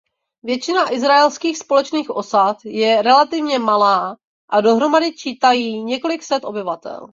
Většina izraelských společných osad je relativně malá a dohromady čítají několik set obyvatel.